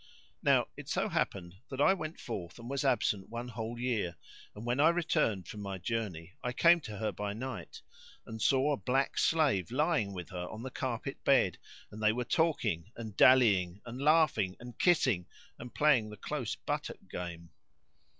Now it so happened that I went forth and was absent one whole year; and when I returned from my journey I came to her by night, and saw a black slave lying with her on the carpet bed and they were talking, and dallying, and laughing, and kissing and playing the close buttock game.